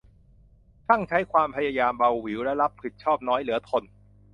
ช่างใช้ความพยายามเบาหวิว และรับผิดชอบน้อยเหลือทน